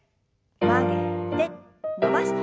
曲げて伸ばして。